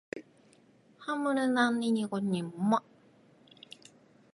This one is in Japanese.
엘레베이터타고싶어요